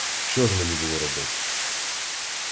Що ж мені було робити?